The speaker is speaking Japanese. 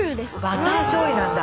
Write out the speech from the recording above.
バターしょうゆなんだ。